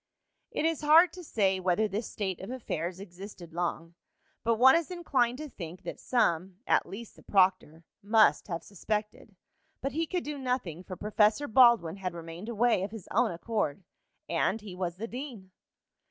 It is hard to say whether this state of affairs existed long, but one is inclined to think that some, at least the proctor, must have suspected. But he could do nothing, for Professor Baldwin had remained away of his own accord. And he was the dean.